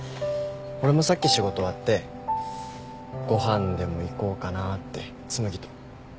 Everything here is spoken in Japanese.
俺もさっき仕事終わってご飯でも行こうかなって紬と。